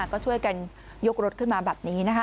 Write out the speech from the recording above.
ก็ช่วยกันยกรถขึ้นมาแบบนี้นะคะ